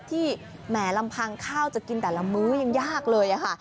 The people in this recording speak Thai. แหมลำพังข้าวจะกินแต่ละมื้อยังยากเลยค่ะ